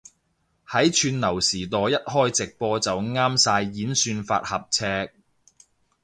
喺串流時代一開直播就啱晒演算法合尺